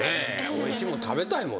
おいしいもん食べたいもんね。